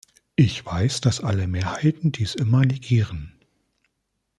Ich weiß, dass alle Mehrheiten dies immer negieren.